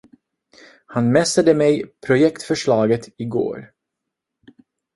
Han messade mig projektförslaget igår.